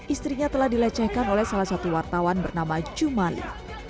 istrinya telah dilecehkan oleh salah satu wartawan bernama jumali